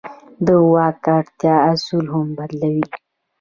د واک اړتیا اصول هم بدلوي.